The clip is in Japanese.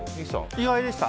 意外でした。